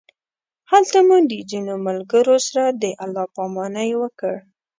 هلته مو د ځینو ملګرو سره د الله پامانۍ وکړ.